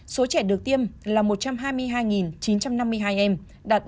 số trẻ được tiêm là một trăm hai mươi hai chín trăm năm mươi hai em đạt bốn mươi